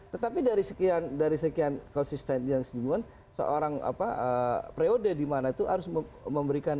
tetapi dari sekian konsistensi dan kesinambungan seorang pre odeh di mana itu harus memberikan